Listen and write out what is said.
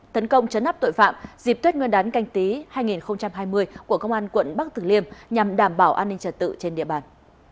thấn công chấn nắp tội phạm dịp tuyết nguyên đán canh tí hai nghìn hai mươi của công an quận bắc thực liêm nhằm đảm bảo an ninh trật tự trên địa bàn